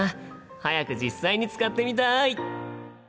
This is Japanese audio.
早く実際に使ってみたい！